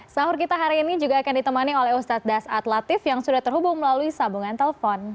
sahur kita hari ini juga akan ditemani oleh ustaz das adlatif yang sudah terhubung melalui sabungan telpon